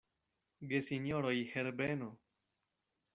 Gesinjoroj Herbeno!